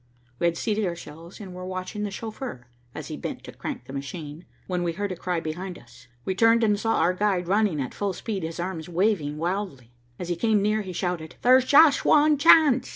We had seated ourselves and were watching the chauffeur, as he bent to crank the machine, when we heard a cry behind us. We turned and saw our guide running at full speed, his arms waving wildly. As he came near he shouted, "There's just wan chance.